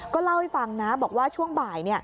ก็เล่าให้ฟังนะบอกว่าช่วงบ่าย